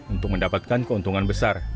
untuk mendapatkan keuntungan besar